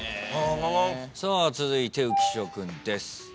続いて浮所君です。